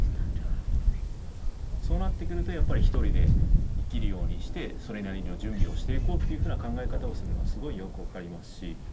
そうなってくるとやっぱりひとりで生きるようにしてそれなりの準備をしていこうというふうな考え方をするのはすごいよく分かりますし。